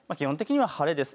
基本的には晴れです。